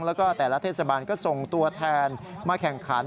แล้วก็แต่ละเทศบาลก็ส่งตัวแทนมาแข่งขัน